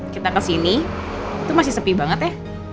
kita kesini itu masih sepi banget ya